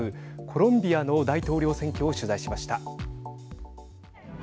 コロンビアの大統領選挙を取材しました。